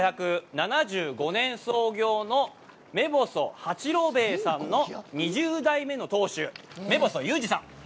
１５７５年創業の目細八郎兵衛さんの２０代目の当主、目細勇治さん。